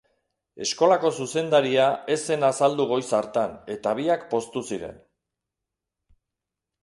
Eskolako zuzendaria ez zen azaldu goiz hartan, eta biak poztu ziren.